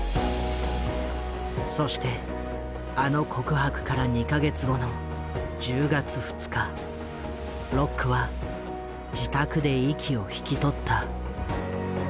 そしてあの告白から２か月後の１０月２日ロックは自宅で息を引き取った。